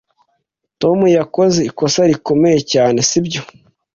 Tom yakoze ikosa rikomeye cyane, sibyo?